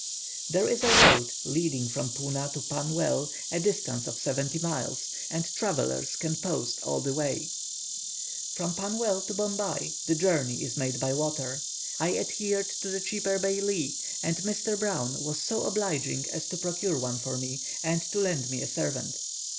There is a road leading from Puna to Pannwell, a distance of seventy miles, and travellers can post all the way. From Pannwell to Bombay the journey is made by water. I adhered to the cheaper baili, and Mr. Brown was so obliging as to procure one for me, and to lend me a servant.